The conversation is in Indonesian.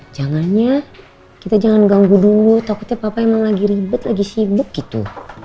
jangannya kita jangan ganggu dulu takutnya papa emang lagi ribet lagi sibuk gitu